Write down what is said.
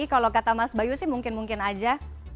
kalau kata mas bayu sih mungkin mungkin aja